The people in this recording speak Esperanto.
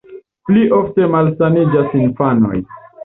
Pli ofte malsaniĝas infanoj.